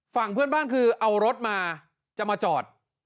ฝั่งเพื่อนบ้านคือเอารถมาจะมาจอด